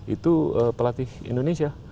itu pelatih indonesia